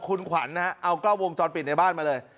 คุณขวัญนะครับเอาก้าววงจอดปิดในบ้านมาเลย